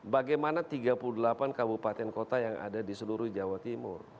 bagaimana tiga puluh delapan kabupaten kota yang ada di seluruh jawa timur